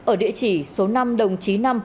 ở địa chỉ số năm đồng chín năm